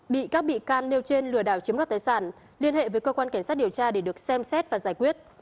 bị các bị can nêu trên lừa đảo chiếm đoạt tài sản liên hệ với cơ quan cảnh sát điều tra để được xem xét và giải quyết